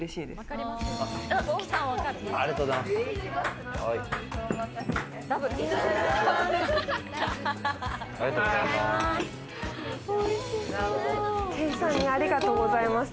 ありがとうございます。